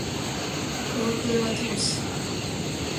道程は遠し